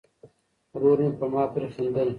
ورور مې په ما پورې خندل.